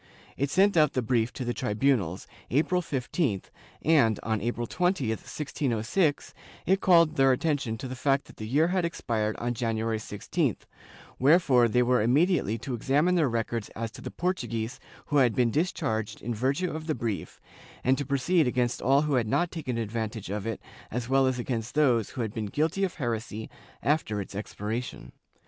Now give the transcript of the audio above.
It sent out the brief to the tribunals, April 15th and, on April 20, 1606, it called their attention to the fact that the year had expired on January 16th, wherefore they were immediately to examine their records as to the Portuguese who had been discharged in virtue of the brief and to proceed against all who had not taken advantage of it as well as against those who had been guilty of heresy after its expiration.